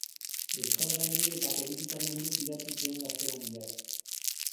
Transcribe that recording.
Euskal gaiei eta politikari buruz idatzi zuen gaztelaniaz.